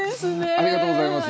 ありがとうございます。